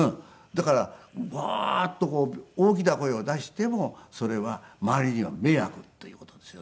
だからバーッとこう大きな声を出してもそれは周りには迷惑という事ですよね。